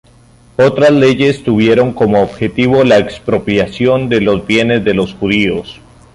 Otras leyes tuvieron como objetivo la expropiación de los bienes de los judíos.